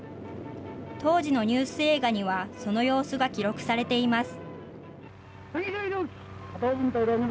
当時のニュース映画には、その様子が記録されています。